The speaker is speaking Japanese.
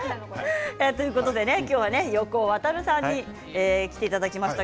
今日は横尾渉さんに来ていただきました。